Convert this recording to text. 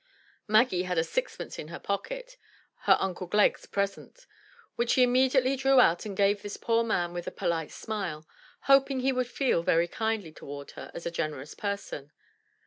Maggie had a sixpence in her pocket, — her Uncle Glegg's present, — which she immediately drew out and gave this poor man with a polite smile, hoping he would feel very kindly towards her as a generous person.